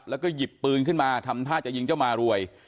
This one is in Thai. แล้วก็หยิบปืนขึ้นมาทำท่าจะยิงเจ้ามารวย